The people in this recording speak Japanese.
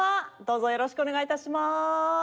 どうぞよろしくお願い致します。